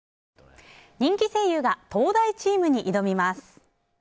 人気声優が東大チームに挑みます。